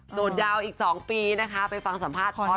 โสดยาวอีก๒ปีนะคะไปฟังสัมภาษณ์พอร์ตสลัด